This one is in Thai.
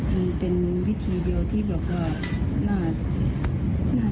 มันเป็นวิธีเดียวที่เราก็น่าน่าจะ